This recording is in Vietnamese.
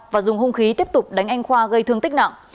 và dùng hung khí tiếp tục đánh anh khoa gây thương tích nặng